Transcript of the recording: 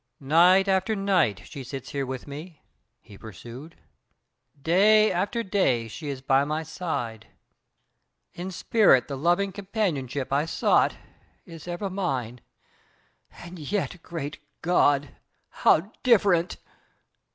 "Night after night She sits here with me," he pursued; "day after day She is by my side. In spirit the loving companionship I sought is ever mine, and yet, great God, how different!"